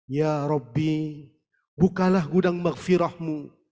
ya rabbi bukalah gudang maghfirah mu